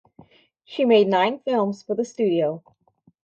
She made nine films for the studio.